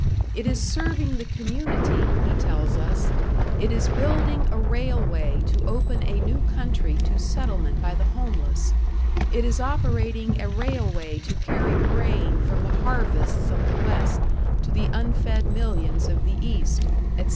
"It is serving the community," he tells us; "it is building a railway to open a new country to settlement by the homeless; it is operating a railway to carry grain from the harvests of the West to the unfed millions of the East," etc.